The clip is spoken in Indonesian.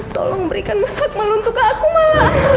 tolong berikan masak meluntuk ke aku mbak